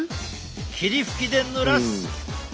霧吹きでぬらす。